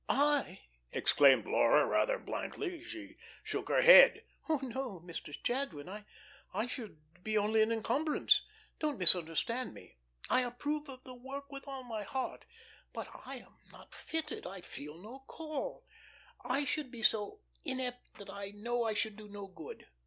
"I!" exclaimed Laura, rather blankly. She shook her head. "Oh, no, Mr. Jadwin. I should be only an encumbrance. Don't misunderstand me. I approve of the work with all my heart, but I am not fitted I feel no call. I should be so inapt that I know I should do no good.